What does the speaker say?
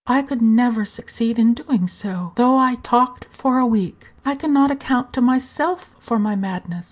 I could never succeed in doing so, though I talked for a week; I can not account to myself for my madness.